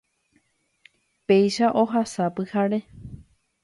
Péicha ohasa pyhare